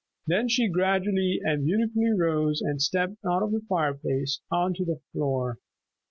Then she gradually and beautilully rose and stepped out of the fireplace onto the floor.